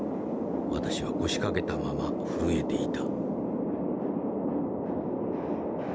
私は腰掛けたまま震えていた」。